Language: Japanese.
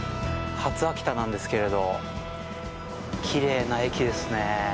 “初秋田”なんですけれど、きれいな駅ですね。